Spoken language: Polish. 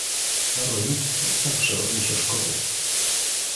Rolnictwo także odniesie szkody